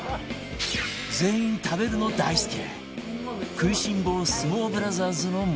全員食べるの大好き！